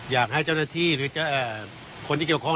อยากให้เจ้าหน้าที่หรือคนที่เกี่ยวข้อง